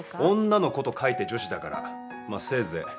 女の子と書いて女子だからまあせいぜい２５までです。